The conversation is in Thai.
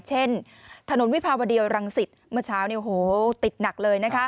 เช่นถนนวิภาวดีรังศิษย์เมื่อเช้าติดหนักเลย